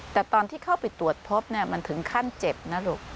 แต่ตอนที่เข้าไปตรวจพบมันถึงขั้นเจ็บนะลูก